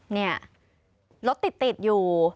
เนี่ยรถติดอยู่